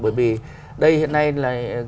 bởi vì đây hiện nay là